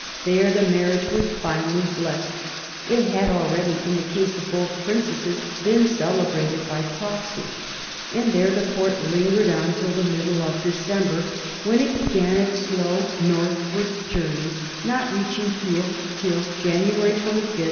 There the marriage was finally blessed — it had already, in the case of both princesses, been celebrated by proxy — and there the Court lingered on till the middle of December, when it began its slow northward journey, not reaching Tours till January 25, 1616.